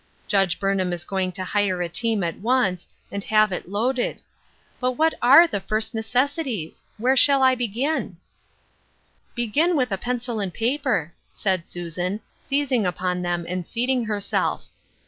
Judge Burnham is going to hire a team at once, and have it loaded. But what are the first necessi ties ? Where shall I begin ?"«" Begin with a pencil and paper," said Susan, seizing upon them and seating herself.